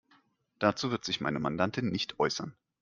Dazu wird sich meine Mandantin nicht äußern.